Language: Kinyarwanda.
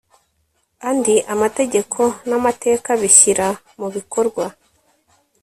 andi amategeko n’amateka bishyira mu bikorwa